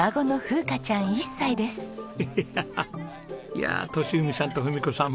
いや利文さんと文子さん